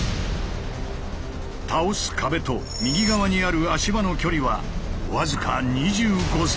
倒す壁と右側にある足場の距離はわずか２５ｃｍ。